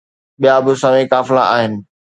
ٻيا به سوين قافلا آهن